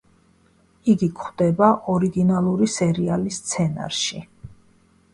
იგი გვხვდება ორიგინალური სერიალის სცენარში.